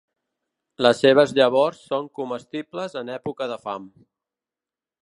Les seves llavors són comestibles en època de fam.